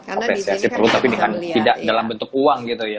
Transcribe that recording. apresiasi perlu tapi ini kan tidak dalam bentuk uang gitu ya